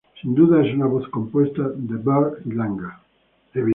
Sin duda es una voz compuesta de ber y langa.